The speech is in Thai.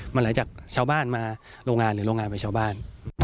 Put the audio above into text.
หลังจากชาวบ้านมาโรงงานหรือโรงงานเป็นชาวบ้าน